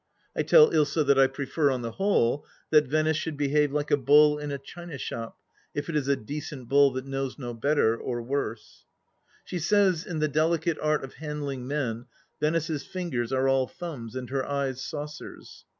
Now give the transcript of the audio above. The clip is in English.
I tell Ilsa that I prefer, on the whole, that Venice should behave like a bull in a china shop, if it is a decent bull that knows no better — or worse. She says, in the delicate art of handling men Venice's fingers are all thumbs and her eyes saucers.